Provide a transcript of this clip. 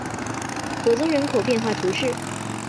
伯宗人口变化图示